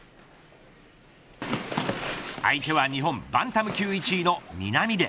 相手は日本バンタム級１位の南出。